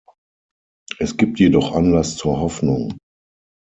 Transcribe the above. Es gibt jedoch Anlass zur Hoffnung.